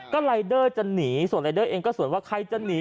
ก็รายเดอร์จะหนีส่วนรายเดอร์เองก็ส่วนว่าใครจะหนี